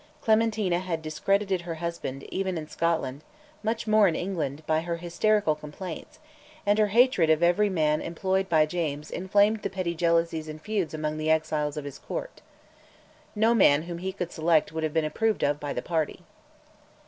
Clementina had discredited her husband, even in Scotland, much more in England, by her hysterical complaints, and her hatred of every man employed by James inflamed the petty jealousies and feuds among the exiles of his Court. No man whom he could select would have been approved of by the party.